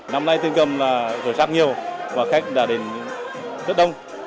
năm nay tiền cầm là khởi sắc nhiều và khách đã đến rất đông